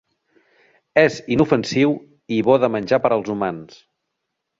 És inofensiu i bo de menjar per als humans.